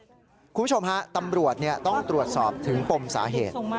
คุณผู้ชมฮะตำรวจต้องตรวจสอบถึงปมสาเหตุ